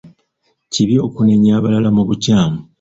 Kibi okunenya abalala mu bukyamu.